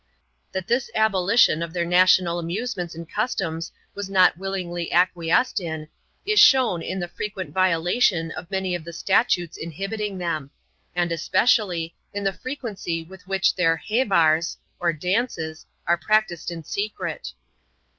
That this abolition of their national amusements and customs was not willingly acqmesced in, is shown in the frequent viola tion of many of the statutes inhibiting them ; and, especially, in the frequency with which their " hevara," or dances, are pne ttsed in secret.